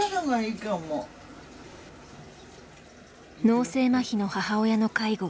脳性まひの母親の介護。